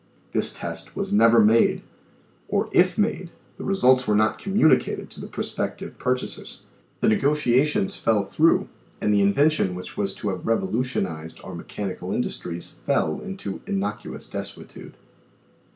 This test was never made, or if made the results were not communicated to the prospec tive purchasers ; the negotiations fell through, and the in vention which was to have revolutionized our mechanical industries fell into "innocuous desuetude."